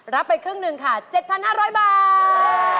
ไปครึ่งหนึ่งค่ะ๗๕๐๐บาท